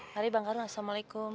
mari bang kardun assalamualaikum